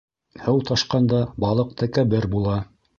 Һыу ташҡанда балыҡ тәкәббер була.